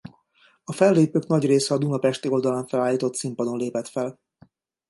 A fellépők nagy része a Duna pesti oldalán felállított színpadon lépett fel.